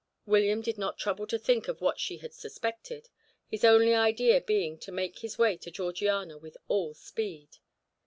William did not trouble to think of what she had suspected, his only idea being to make his way to Georgiana with all speed.